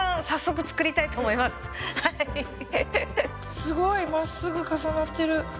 すごい！まっすぐ重なってる。